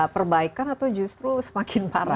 perbaikan atau justru semakin parah